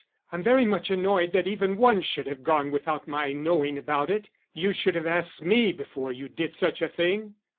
I'm very much annoyed that even one should have gone without my knowing about it. You should have asked me before you did such a thing."